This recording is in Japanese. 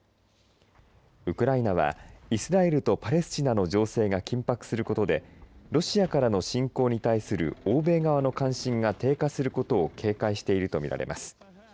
ウクライナは、イスラエルとパレスチナの情勢が緊迫することでロシアからの侵攻に対する欧米側など関心が低下することを警戒していると見られます。